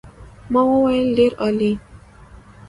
ما وویل ډېر عالي.